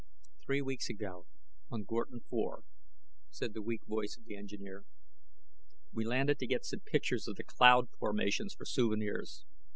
"Three weeks ago on Ghortin IV," said the weak voice of the engineer. "We landed to get some pictures of the cloud formations for souvenirs.